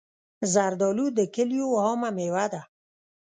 زردالو د کلیو عامه مېوه ده.